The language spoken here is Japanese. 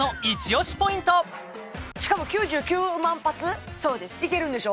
しかも９９万発いけるんでしょ？